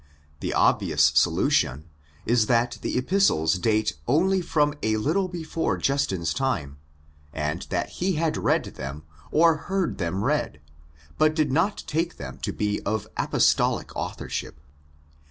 The obvious solution is that the Epistles date only from a little before Justin's time, and that he had read them or heard them read, but did not take them to be of Apostolic authorship.